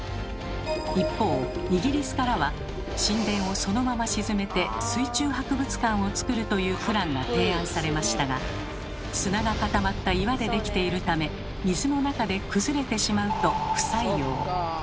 一方イギリスからは神殿をそのまま沈めて水中博物館をつくるというプランが提案されましたが砂が固まった岩でできているため水の中で崩れてしまうと不採用。